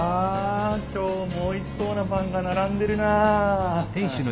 きょうもおいしそうなパンがならんでるなあ。